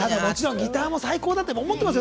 ギターも最高だって思ってますよ。